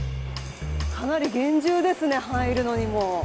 かなり厳重ですね入るのにも。